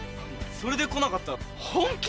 それで来なかったら本気で怒るよ。